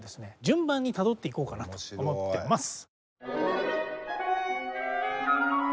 順番にたどっていこうかなと思ってます。